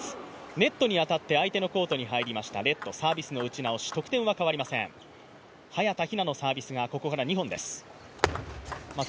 ネットに当たって相手のコートに入りました、サービスの打ち直し、得点は変わりません、早田ひなのサービスがここから２本です。